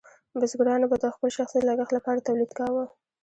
بزګرانو به د خپل شخصي لګښت لپاره تولید کاوه.